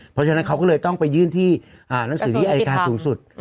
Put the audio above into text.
เพราะฉะนั้นเขาก็เลยต้องไปยื่นที่หนังสือที่อายการสูงสุด